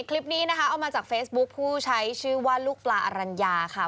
คลิปนี้นะคะเอามาจากเฟซบุ๊คผู้ใช้ชื่อว่าลูกปลาอรัญญาค่ะ